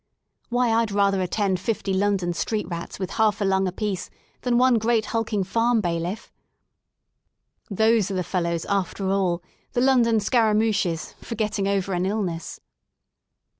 Why, Td rather attend fifty London street rats with half a lung apiece than one great hulking farm bailiff Those are the fellows, after all, the London scaramouches, for getting over an illness.